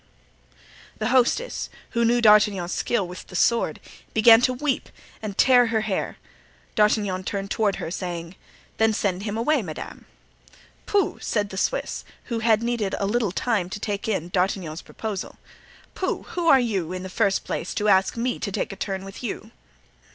The hostess, who knew D'Artagnan's skill with the sword, began to weep and tear her hair. D'Artagnan turned toward her, saying, "Then send him away, madame." "Pooh!" said the Swiss, who had needed a little time to take in D'Artagnan's proposal, "pooh! who are you, in the first place, to ask me to take a turn with you?"